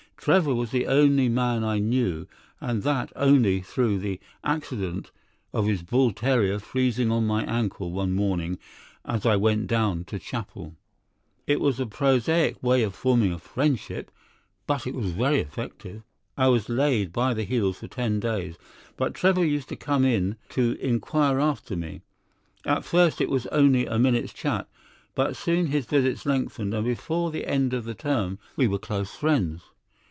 Trevor was the only man I knew, and that only through the accident of his bull terrier freezing on to my ankle one morning as I went down to chapel. "It was a prosaic way of forming a friendship, but it was effective. I was laid by the heels for ten days, but Trevor used to come in to inquire after me. At first it was only a minute's chat, but soon his visits lengthened, and before the end of the term we were close friends.